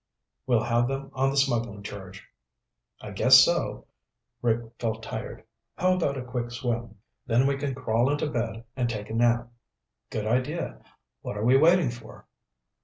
We'll have them on the smuggling charge." "I guess so." Rick felt tired. "How about a quick swim? Then we can crawl into bed and take a nap." "Good idea. What are we waiting for?"